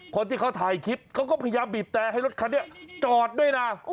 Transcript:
คนที่เขาถ่ายคลิปเขาก็พยายามบีบแต่ให้รถคันนี้จอดด้วยนะ